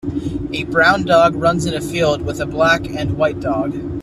A brown dog runs in a field with a black and white dog.